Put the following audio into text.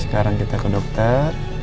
sekarang kita ke dokter